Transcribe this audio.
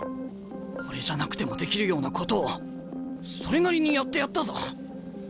俺じゃなくてもできるようなことをそれなりにやってやったぞ。